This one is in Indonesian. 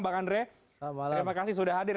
bang andre selamat malam terima kasih sudah hadir